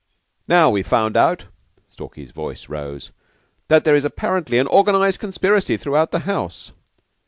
"Now we find out," Stalky's voice rose, "that there is apparently an organized conspiracy throughout the house.